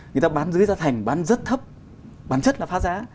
người ta bán dưới giá thành bán rất thấp bán chất là phá giá